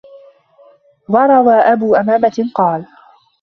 وَرَوَى أَبُو أُمَامَةَ قَالَ